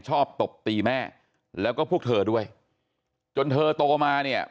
ตบตีแม่แล้วก็พวกเธอด้วยจนเธอโตมาเนี่ย